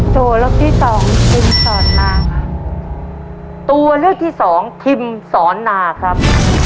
ตัวเลือกที่สองทีมสอนนาค่ะตัวเลือกที่สองทิมสอนนาครับ